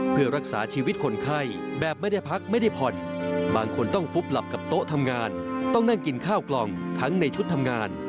เพื่อรักษาชีวิตคนไข้แบบไม่ได้พักไม่ได้ผ่อนบางคนต้องฟุบหลับกับโต๊ะทำงานต้องนั่งกินข้าวกล่องทั้งในชุดทำงาน